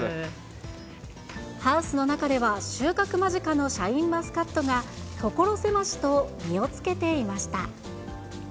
ハウスの中では、収穫間近のシャインマスカットが、所狭しと実をつけていました。